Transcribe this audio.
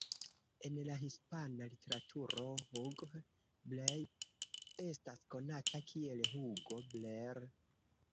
En la hispana literaturo Hugh Blair estas konata kiel Hugo Blair.